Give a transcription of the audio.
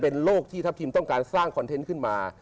เป็นโลกที่ทัพทิมต้องการสร้างคอนเทนต์ขึ้นมา